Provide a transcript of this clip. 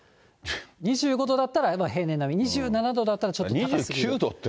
２５度だったら平年並み、２８度だったらちょっと高いという。